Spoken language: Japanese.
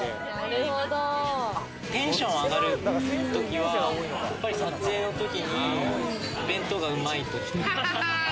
テンション上がるときは、撮影のときに弁当がうまいとき。